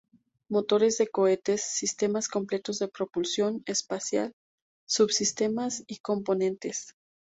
Motores de cohetes, sistemas completos de propulsión espacial, sub-sistemas y componentes.